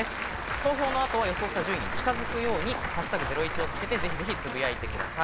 投票の後は予想した順位に近づくように「＃ゼロイチ」をつけて、ぜひつぶやいてください。